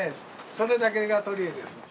それだけが取り柄です。